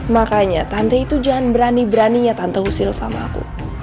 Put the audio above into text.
makanya tante itu jangan berani beraninya tante usil sama aku